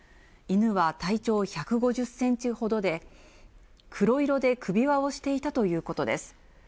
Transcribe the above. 犬は体長１５０センチほどで、黒色で首輪をしていたということです。